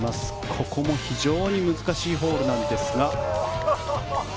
ここも非常に難しいホールなんですが。